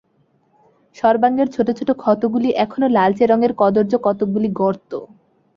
সর্বাঙ্গের ছোট ছোট ক্ষতগুলি এখনো লালচে রঙের কদর্য কতকগুলি গর্ত।